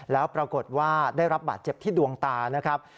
แล้วปรากฏว่าได้รับบาดเจ็บที่ดวงตานะครับ